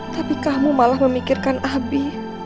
tapi kamu malah memikirkan abi